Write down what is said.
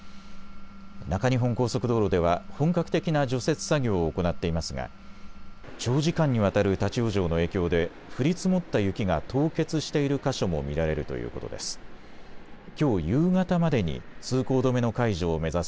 中日本高速道路では本格的な除雪作業を行っていますが長時間にわたる立往生の影響で降り積もった雪が凍結している箇所も見られるということです。